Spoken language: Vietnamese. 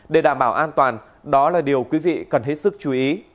để đảm bảo an toàn đó là điều quý vị cần hết sức chú ý